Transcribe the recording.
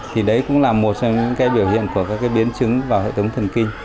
thì đấy cũng là một biểu hiện của các biến chứng vào hệ thống thần kinh